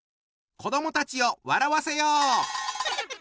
子どもたちを笑わせよう！